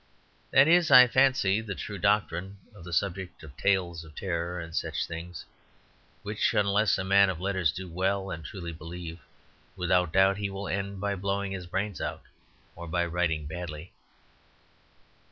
That is, I fancy, the true doctrine on the subject of Tales of Terror and such things, which unless a man of letters do well and truly believe, without doubt he will end by blowing his brains out or by writing badly.